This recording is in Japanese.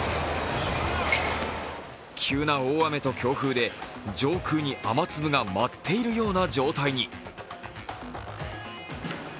急な大雨と強風で上空に雨粒が舞っているような状態に。